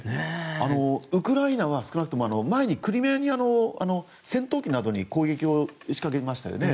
ウクライナは、少なくとも前にクリミアで戦闘機などに攻撃を仕掛けましたよね。